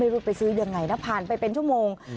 ไม่รู้ไปซื้อยังไงนะผ่านไปเป็นชั่วโมง